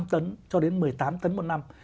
một mươi năm tấn cho đến một mươi tám tấn một năm